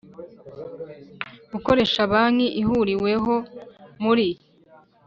Gukoresha banki ihuriweho muri